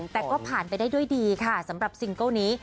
แต่ก็ผ่านไปได้ด้วยดีค่ะสำหรับซิงเกิ้ลนี้